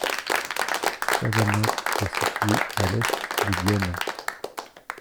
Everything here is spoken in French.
Chavagnac est situé à l'est de Dienne.